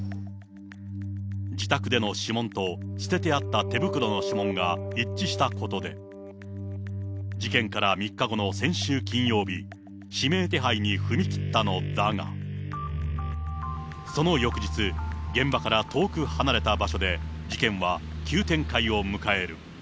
自宅での指紋と、捨ててあった手袋の指紋が一致したことで、事件から３日後の先週金曜日、指名手配に踏み切ったのだが、その翌日、現場から遠く離れた場所で、事件は急展開を迎える。